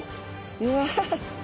うわ。